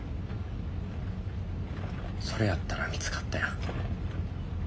それやったら見つかったやん。